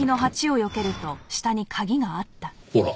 ほら。